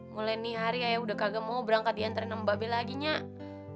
mulai nih hari ayah udah kagak mau berangkat diantrein mbak babe lagi nyat